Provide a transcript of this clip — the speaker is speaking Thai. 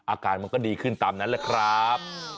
อาการมันก็ดีขึ้นตามนั้นแหละครับ